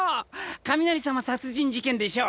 『雷様殺人事件』でしょ？